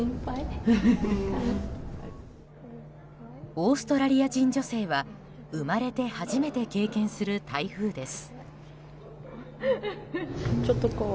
オーストラリア人女性は生まれて初めて経験する台風です。